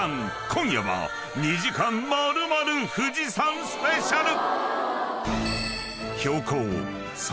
［今夜は２時間丸々富士山スペシャル！］